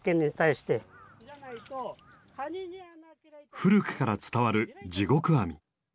古くから伝わる地獄網。